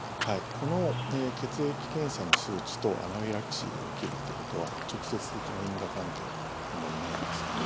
この血液検査の数値とアナフィラキシーが起こるということは直接的な因果関係はあまりないんです。